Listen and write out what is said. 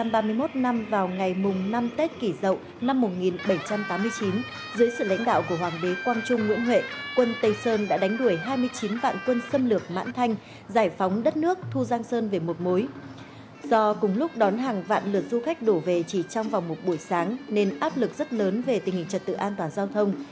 bộ y tế chủ trì phối hợp với văn phòng chính phủ chỉ trong vòng một buổi sáng nên áp lực rất lớn về tình hình trật tự an toàn giao thông